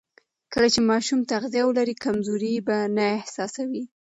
کله چې ماشوم تغذیه ولري، کمزوري به نه احساسېږي.